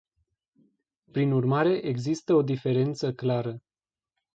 Prin urmare, există o diferență clară.